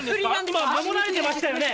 今守られてましたよね？